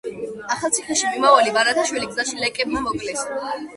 ახალციხეში მიმავალი ბარათაშვილი გზაში ლეკებმა მოკლეს.